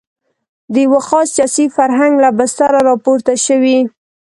د یوه خاص سیاسي فرهنګ له بستره راپورته شوې.